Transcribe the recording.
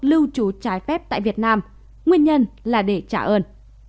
lưu trú trái phép tại việt nam nguyên nhân là để trả ơn